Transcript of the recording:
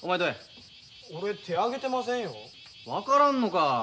俺手ぇ挙げてませんよ。分からんのか。